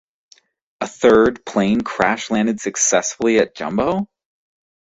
A third plane crash-landed successfully at Jumbo.